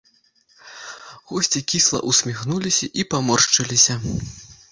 Госці кісла ўсміхнуліся і паморшчыліся.